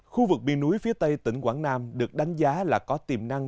khu vực biên núi phía tây tỉnh quảng nam được đánh giá là có tiềm năng